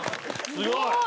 すごーい！